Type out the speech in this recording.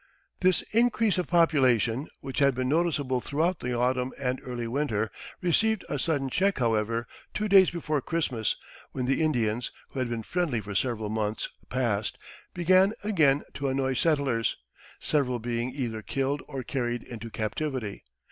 This increase of population, which had been noticeable throughout the autumn and early winter, received a sudden check, however, two days before Christmas, when the Indians, who had been friendly for several months past, began again to annoy settlers, several being either killed or carried into captivity.